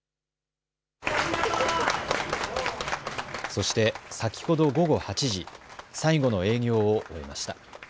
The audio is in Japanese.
そして先ほど午後８時、最後の営業を終えました。